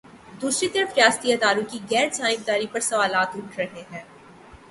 دوسری طرف ریاستی اداروں کی غیر جانب داری پر سوالات اٹھ رہے ہیں۔